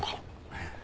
ええ。